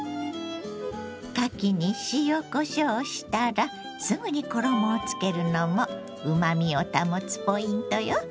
かきに塩こしょうしたらすぐに衣をつけるのもうまみを保つポイントよ。